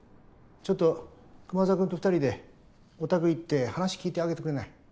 ちょっと熊沢くんと２人でお宅行って話聞いてあげてくれない？